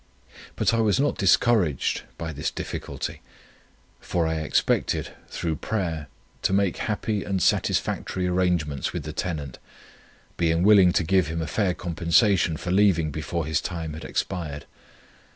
But I was not discouraged by this difficulty; for I expected, through prayer, to make happy and satisfactory arrangements with the tenant, being willing to give him a fair compensation for leaving before his time had expired.